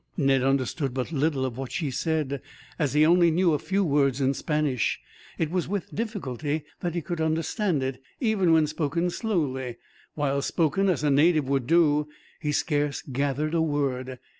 Ned understood but little of what she said, as he only knew a few words in Spanish. It was with difficulty that he could understand it, even when spoken slowly; while, spoken as a native would do, he scarce gathered a word.